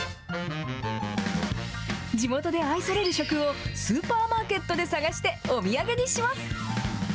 地元で愛される食をスーパーマーケットで探してお土産にします。